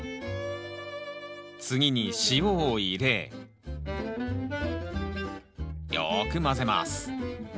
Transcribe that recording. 次に塩を入れよく混ぜます